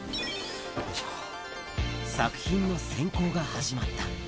作品の選考が始まった。